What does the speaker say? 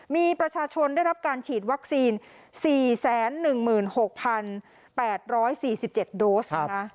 มีประชาชนได้รับการฉีดวัคซีน๔๑๖๘๔๗โดสนะคะ